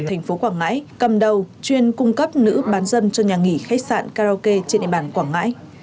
thành phố quảng ngãi cầm đầu chuyên cung cấp nữ bán dân cho nhà nghỉ khách sạn karaoke trên địa bàn quảng ngãi